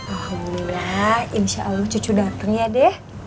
alhamdulillah insya allah cucu dateng ya deh